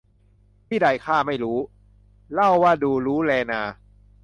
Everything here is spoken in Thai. ที่ใดข้าไม่รู้ เล่าว่าดูรู้แลนา